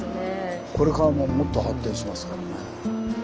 これからももっと発展しますからね。